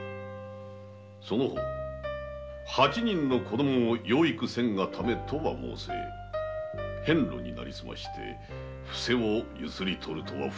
その方八人の子供を養育せんがためとは申せ遍路になりすましてお布施をユスリ取るとは不届き至極。